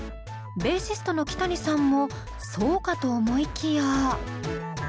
ベーシストのキタニさんもそうかと思いきや。